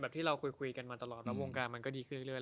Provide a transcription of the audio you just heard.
แบบที่เราคุยกันมาตลอดต่อวงการมันก็ดีขึ้นเข้าไปเรื่อย